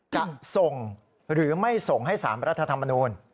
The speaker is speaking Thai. จะส่งหรือไม่ส่งให้๓รัฐธรรมนูล